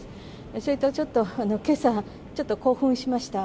それと、ちょっとけさ、ちょっと興奮しました。